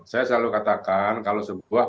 saya selalu katakan kalau sebuah